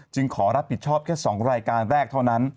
ขอรับผิดชอบแค่๒รายการแรกเท่านั้น